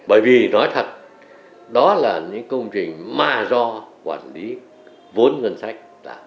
bởi vì nói thật đó là những công trình mà do quản lý vốn ngân sách